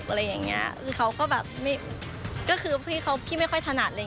คือเขาก็แบบพี่ไม่ค่อยถนัด